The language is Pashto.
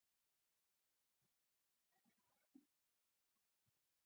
احمد؛ علي وګواښه او ورته ويې ويل چې خوله پرې نه کړې.